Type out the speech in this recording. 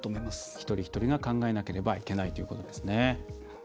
一人一人が考えなければいけないということですね。